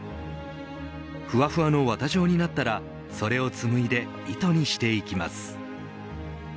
ふわふわの綿状になったらそれを紡いで糸にしていきます。